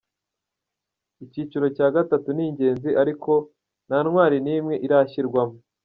Icyiciro cya gatatu ni Ingenzi ariko nta ntwari n’imwe irashyirwamo.